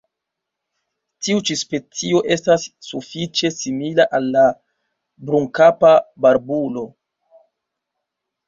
Tiu ĉi specio estas sufiĉe simila al la Brunkapa barbulo.